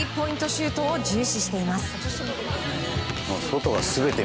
シュートを重視しています。